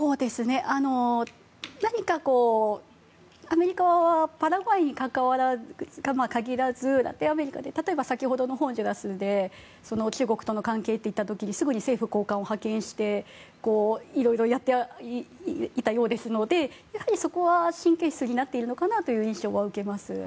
何か、アメリカはパラグアイに限らずラテンアメリカで先ほどのホンジュラスで中国との関係といった時にすぐに政府高官を派遣していろいろやっていたようですのでやはりそこは神経質になっているのかなという印象は受けます。